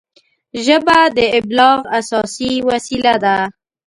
ژبه د ابلاغ اساسي وسیله ده